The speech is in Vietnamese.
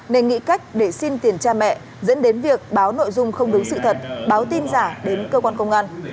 nên nghĩ cách để xin tiền cha mẹ dẫn đến việc báo nội dung không đúng sự thật báo tin giả đến cơ quan công an